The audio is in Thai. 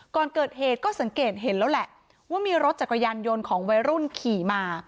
ก่อนเกิดเหตุก็สังเกตเห็นแล้วแหละว่ามีรถจักรยานยนต์ของวัยรุ่นขี่มา